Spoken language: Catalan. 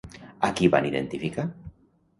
A qui van identificar?